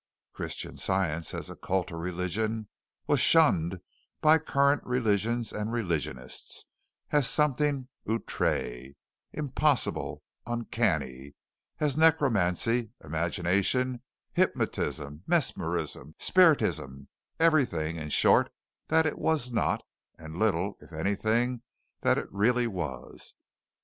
Christian Science as a cult or religion was shunned by current religions and religionists as something outré, impossible, uncanny as necromancy, imagination, hypnotism, mesmerism, spiritism everything, in short, that it was not, and little, if anything, that it really was.